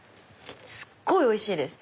すっごいおいしいです！